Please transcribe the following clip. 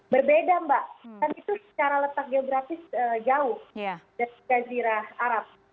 berbeda mbak kan itu secara letak geografis jauh dari gazirah arab